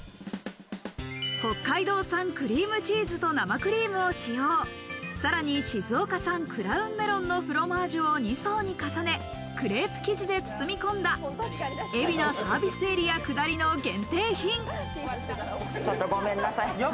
北海道産クリームチーズと生クリームを使用、さらに静岡産クラウンメロンのフロマージュを２層に重ね、クレープ生地で包み込んだ海老名サービスエリア下りの限定品。